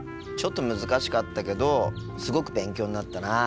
ちょっと難しかったけどすごく勉強になったな。